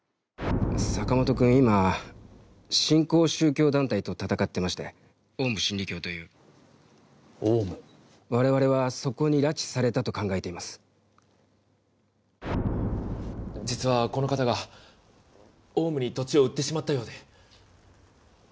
坂本君今新興宗教団体と闘ってましてオウム我々はそこに拉致されたと考えていま実はこの方がオウムに土地を売ってしまったようで。